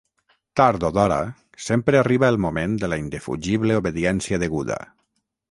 Tard o d'hora, sempre arriba el moment de la indefugible obediència deguda.